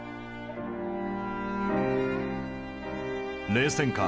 冷戦下